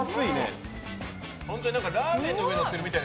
本当にラーメンとかにのってるやつみたい。